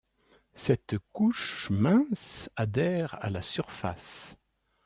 Cette couche mince adhère à la surface.